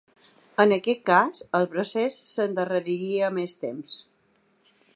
En aquest cas, el procés s’endarreriria més temps.